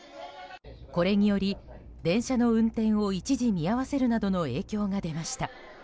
これにより電車の運転を一時見合わせるなどの影響が出ました。